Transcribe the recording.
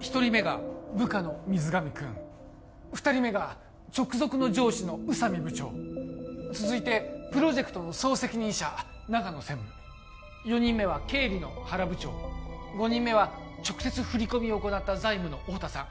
一人目が部下の水上くん二人目が直属の上司の宇佐美部長続いてプロジェクトの総責任者長野専務４人目は経理の原部長５人目は直接振り込みを行った財務の太田さん